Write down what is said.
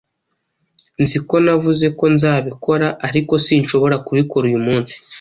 Nzi ko navuze ko nzabikora, ariko sinshobora kubikora uyu munsi.